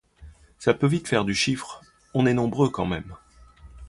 Ça peut vite faire du chiffre, on est nombreux, quand même.